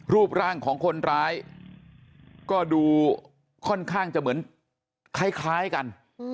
รูปร่างของคนร้ายก็ดูค่อนข้างจะเหมือนคล้ายกัน